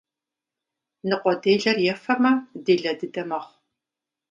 Ныкъуэделэр ефэмэ, делэ дыдэ мэхъу.